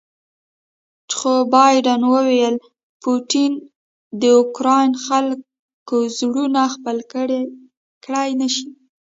جو بایډن وویل پوټین د اوکراین خلکو زړونه خپل کړي نه شي.